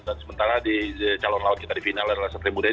dan sementara calon lawat kita di final adalah satria muda